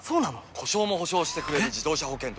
故障も補償してくれる自動車保険といえば？